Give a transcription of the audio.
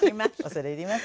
恐れ入ります。